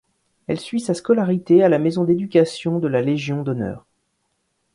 Elle suit sa scolarité à la Maison d'éducation de la Légion d'honneur.